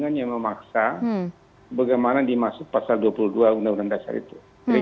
ketika perpu itu memaksa bagaimana dimaksa pasal dua puluh dua undang undang dasar itu